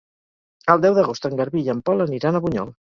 El deu d'agost en Garbí i en Pol aniran a Bunyol.